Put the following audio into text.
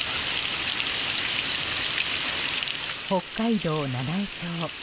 北海道七飯町。